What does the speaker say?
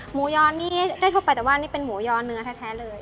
ยอนนี่ได้เข้าไปแต่ว่านี่เป็นหมูยอเนื้อแท้เลย